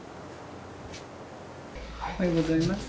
おはようございます。